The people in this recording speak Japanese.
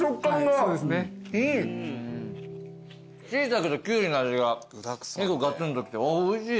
シイタケとキュウリの味が結構ガツンときておいしい。